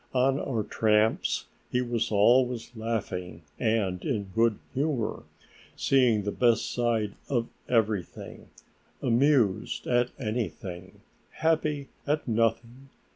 On our tramps he was always laughing and in a good humor, seeing the best side of everything, amused at anything, happy at nothing.